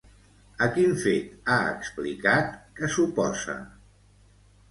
A quin fet ha explicat que s'oposa?